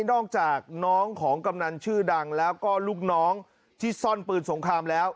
นอกจากน้องของกำนันชื่อดังแล้วก็ลูกน้องที่ซ่อนปืนสงครามแล้ว